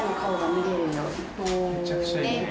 めちゃくちゃいいね。